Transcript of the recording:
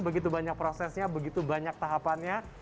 begitu banyak prosesnya begitu banyak tahapannya